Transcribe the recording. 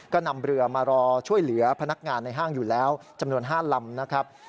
ก็นำเรือมารอช่วยเหลือพนักงานในห้างอยู่แล้วจำนวน๕ลำนะครับ